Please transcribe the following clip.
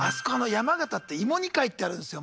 山形って芋煮会ってあるんですよ